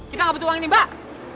kita nggak butuh uang ini mbak